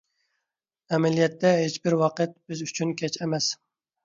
ئەمەلىيەتتە ھېچبىر ۋاقىت بىز ئۈچۈن كەچ ئەمەس.